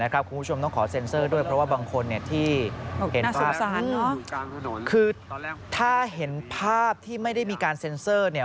คือถ้าเห็นภาพที่ไม่ได้มีการเซ็นเซอร์เนี่ย